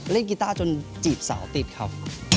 เล่นกีตาร์จนจีบสาวติดครับ